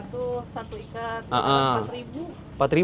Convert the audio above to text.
satu satu ikat empat ribu